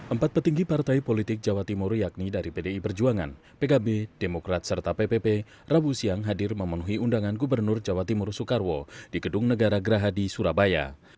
empat petinggi partai politik jawa timur yakni dari pdi perjuangan pkb demokrat serta ppp rabu siang hadir memenuhi undangan gubernur jawa timur soekarwo di gedung negara gerahadi surabaya